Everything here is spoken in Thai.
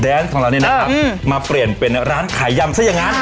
ของเรานี่นะครับมาเปลี่ยนเป็นร้านขายยำซะอย่างนั้น